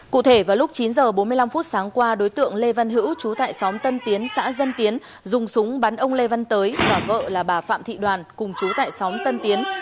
cụ thể vào lúc chín h bốn mươi năm phút sáng qua đối tượng lê văn hữu chú tại xóm tân tiến xã dân tiến dùng súng bắn ông lê văn tới và vợ là bà phạm thị đoàn cùng chú tại xóm tân tiến